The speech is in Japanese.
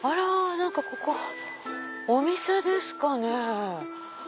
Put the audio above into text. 何かここお店ですかね？